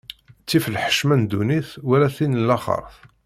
Ttif lḥecma n ddunit, wala tin n laxert.